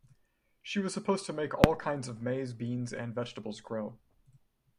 She was supposed to make all kinds of maize, beans, and vegetables grow.